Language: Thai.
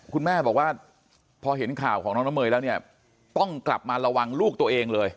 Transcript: คุณแม่บอกว่าพอเห็นข่าวของน้องน้ำเมยแล้วเนี่ยต้องกลับมาระวังลูกตัวเองเลย